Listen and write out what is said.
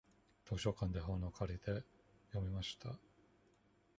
図書館で本を借りて、読みました。